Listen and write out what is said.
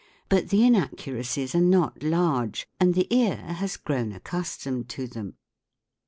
But the inaccuracies are not large and the ear has grown accustomed to them.